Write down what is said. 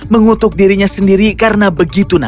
mengutuk dirinya sendiri karena begitu nakal